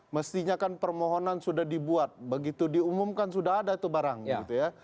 mestinya kan permohonan sudah dibuat begitu diumumkan sudah ada itu barang gitu ya